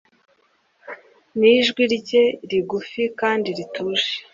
Nijwi rye rigufi kandi rituje